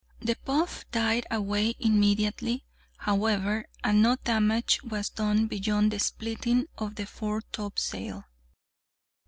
The puff died away immediately, however, and no damage was done beyond the splitting of the foretopsail.